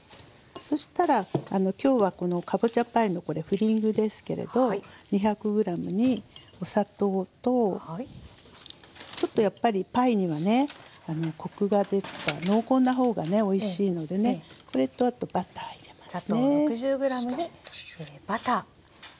そしたら今日はこのかぼちゃパイのこれフィリングですけれど２００ｇにお砂糖とちょっとやっぱりパイにはねコクが出た濃厚な方がねおいしいのでねこれとあとバター入れますね。